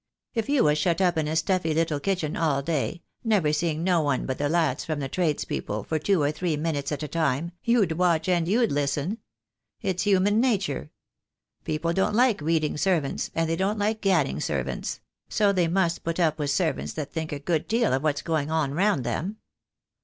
If you was shut up in a stuffy little kitchen all day, never seeing no one but the lads from the trades people for two or three minutes at a time, you'd watch and you'd listen. It's human nature. People don't like reading servants, and they don't like gadding servants; so they must put up with servants that think a good deal of what's going on round them.